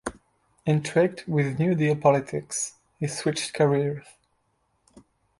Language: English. Intrigued with New Deal politics, he switched careers.